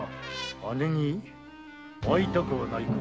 姉に会いたくはないか。